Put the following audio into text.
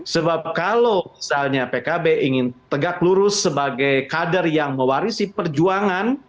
sebab kalau misalnya pkb ingin tegak lurus sebagai kader yang mewarisi perjuangan